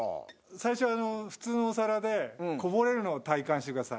最初普通のお皿でこぼれるのを体感してください。